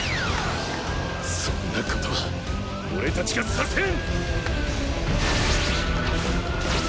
そんなことは俺たちがさせん！